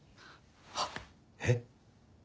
はっ！えっ？